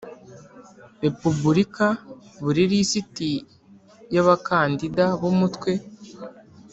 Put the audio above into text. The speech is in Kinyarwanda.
Repubulika buri lisiti y abakandida b Umutwe